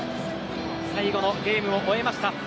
最後のゲームを終えました。